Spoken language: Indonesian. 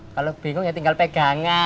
kalau bingung ya tinggal pegangan